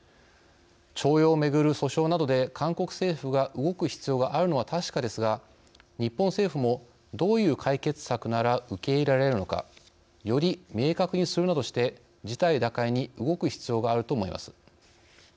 徴用をめぐる訴訟などで韓国政府が動く必要があるのは確かですが日本政府もどういう解決策なら受け入れられるのかより明確にするなどして事態打開に動く必要があると思います。